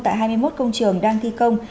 tại hai mươi một công trường đang thi công